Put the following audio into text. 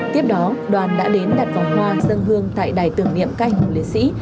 tiếp đó đoàn đã đến đặt vòng hoa dân hương tại đài tưởng niệm các anh hùng liên sĩ